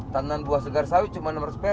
tanaman buah segar sawit cuma rp enam ratus